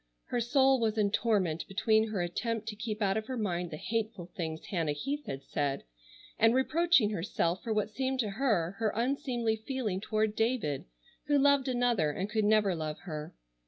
Her soul was in torment between her attempt to keep out of her mind the hateful things Hannah Heath had said, and reproaching herself for what seemed to her her unseemly feeling toward David, who loved another and could never love her.